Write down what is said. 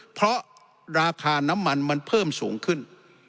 เพราะราคาน้ำมันมันเพิ่มสูงขึ้น